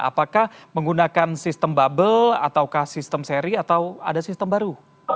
apakah menggunakan sistem bubble ataukah sistem seri atau ada sistem baru